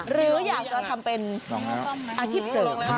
หรืออยากจะทำเป็นอาชีพเสริมค่ะ